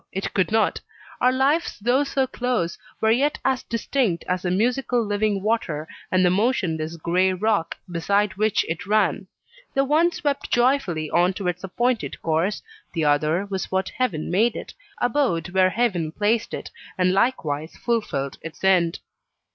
it could not. Our lives, though so close, were yet as distinct as the musical living water and the motionless grey rock beside which it ran. The one swept joyfully on to its appointed course: the other was what Heaven made it, abode where Heaven placed it, and likewise fulfilled its end.